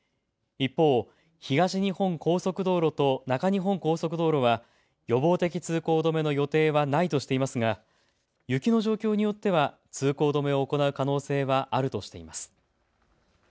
一方、東日本高速道路と中日本高速道路は予防的通行止めの予定はないとしていますが雪の状況によっては通行止めを行う可能性はあるとしています。